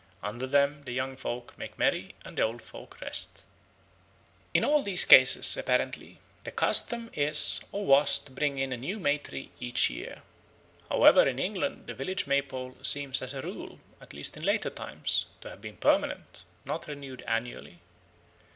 Under them the young folk make merry and the old folk rest. In all these cases, apparently, the custom is or was to bring in a new May tree each year. However, in England the village May pole seems as a rule, at least in later times, to have been permanent, not renewed annually.